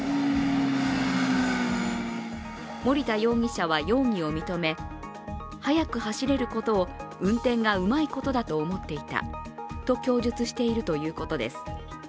森田容疑者は容疑を認め、速く走れることを運転がうまいことだと思っていたと供述しているということです。